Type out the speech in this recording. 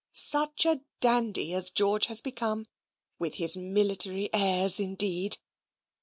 Such a dandy as George has become. With his military airs, indeed!